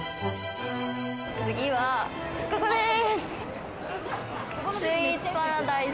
次はここです。